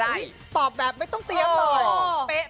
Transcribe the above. อุ้ยตอบแบบไม่ต้องเตรียมหน่อย